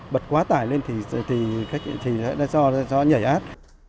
bật quá tải lên thì do nhảy át